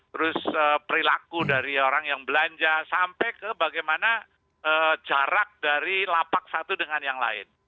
terus perilaku dari orang yang belanja sampai ke bagaimana jarak dari lapak satu dengan yang lain